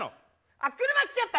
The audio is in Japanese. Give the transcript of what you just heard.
あ車来ちゃった。